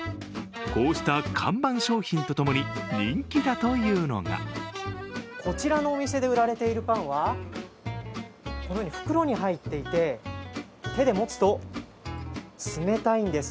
こうした看板商品と共に人気だというのがこちらのお店で売られているパンはこのように袋に入っていて手で持つと、冷たいんです。